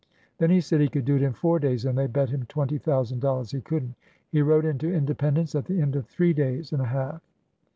Then he said he could do it in four days, and they bet him twenty thousand dollars he could n't. He rode into Independence at the end of three days and a half!